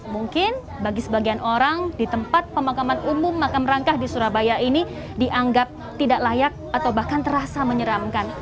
mungkin bagi sebagian orang di tempat pemakaman umum makam rangka di surabaya ini dianggap tidak layak atau bahkan terasa menyeramkan